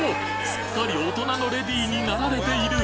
すっかり大人のレディになられている！